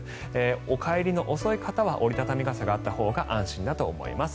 お帰りの遅い方は折り畳み傘があったほうが安心だと思います。